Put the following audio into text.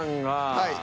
はい。